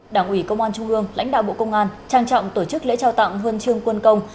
đảng ủy công an trung ương lãnh đạo bộ công an trang trọng tổ chức lễ trao tặng huân chương quân công